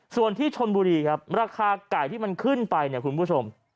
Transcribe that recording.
ส่วนที่ชนบุรีครับราคาไก่ที่มันขึ้นไปเนี่ยคุณผู้ชม